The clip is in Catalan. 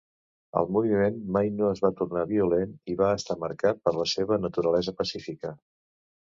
El moviment mai no es va tornar violent i va estar marcat per la seva naturalesa pacífica.